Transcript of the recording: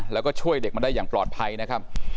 แล้วก็ช่วยเด็กมาได้อย่างปลอดภัยนะครับ